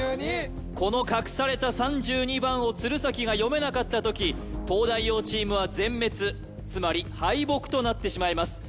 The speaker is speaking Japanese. この隠された３２番を鶴崎が読めなかったとき東大王チームは全滅つまり敗北となってしまいます